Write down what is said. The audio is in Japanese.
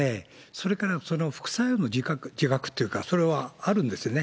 それから、副作用の自覚というか、それはあるんですよね。